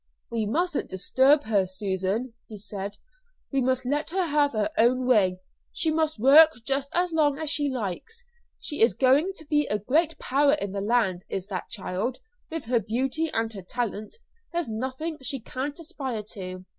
"We mustn't disturb her, Susan," he said. "We must let her have her own way. She must work just as long as she likes. She is going to be a great power in the land, is that child, with her beauty and her talent; there's nothing she can't aspire to."